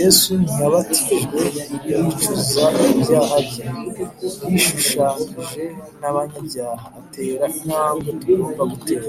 Yesu ntiyabatijwe nk’uwicuza ibyaha bye. Yishushanyije n’abanyabyaha, atera intambwe tugomba gutera